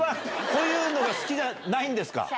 こういうのが好きじゃないんですか？